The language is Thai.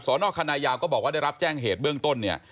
นคณะยาวก็บอกว่าได้รับแจ้งเหตุเบื้องต้นเนี่ย